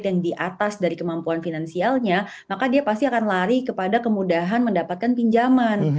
yang di atas dari kemampuan finansialnya maka dia pasti akan lari kepada kemudahan mendapatkan pinjaman